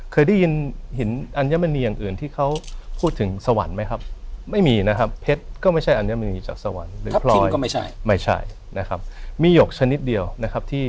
เคยได้ยินหินอัญมณีอย่างอื่นที่เขาพูดถึงสวรรค์มั้ยครับ